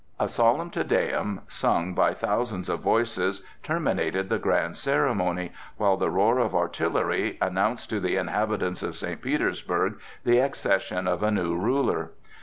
A solemn Te Deum, sung by thousands of voices, terminated the grand ceremony, while the roar of artillery announced to the inhabitants of St. Petersburg the accession of a new ruler.